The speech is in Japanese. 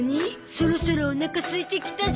そろそろおなか空いてきたゾ。